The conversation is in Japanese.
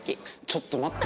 ちょっと待って。